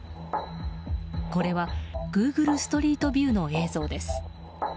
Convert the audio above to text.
これはグーグルストリートビューの映像です。